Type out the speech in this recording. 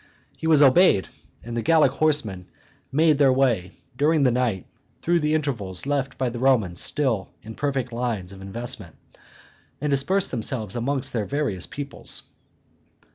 He was obeyed; the Gallic horsemen made their way, during the night, through the intervals left by the Romans' still imperfect lines of investment, and dispersed themselves amongst their various peoplets.